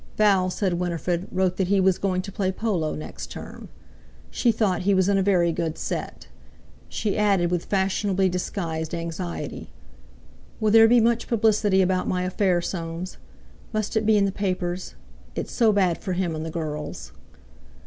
Val, said Winifred, wrote that he was going to play polo next term. She thought he was in a very good set. She added with fashionably disguised anxiety: "Will there be much publicity about my affair, Soames? Must it be in the papers? It's so bad for him, and the girls."